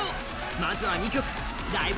まずは２曲、「ライブ！